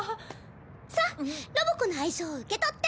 さっロボ子の愛情を受け取って。